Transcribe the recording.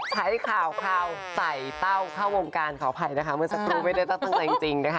ใช้ข่าวใส่เต้าเข้าวงการขออภัยนะคะเมื่อสักครู่ไม่ได้ตั้งใจจริงนะคะ